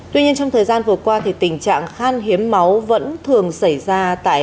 tuy nhiên trong thời gian vừa qua tình trạng khan hiến máu vẫn thường xảy ra